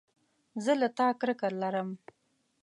زه له تا کرکه لرم